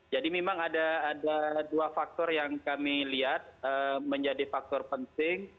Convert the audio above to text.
jadi memang ada dua faktor yang kami lihat menjadi faktor penting